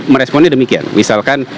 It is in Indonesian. meresponnya demikian misalkan